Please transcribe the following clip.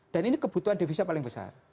dan ini kebutuhan defisa paling besar